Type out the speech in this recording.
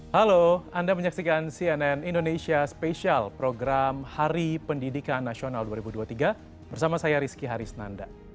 halo anda menyaksikan cnn indonesia spesial program hari pendidikan nasional dua ribu dua puluh tiga bersama saya rizky harisnanda